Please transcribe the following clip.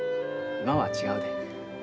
今は違うで。